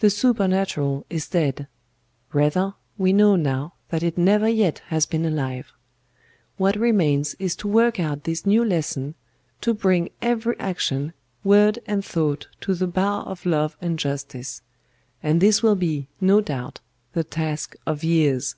The Supernatural is dead; rather, we know now that it never yet has been alive. What remains is to work out this new lesson, to bring every action, word and thought to the bar of Love and Justice; and this will be, no doubt, the task of years.